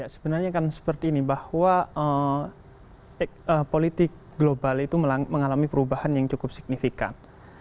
sebenarnya kan seperti ini bahwa politik global itu mengalami perubahan yang cukup signifikan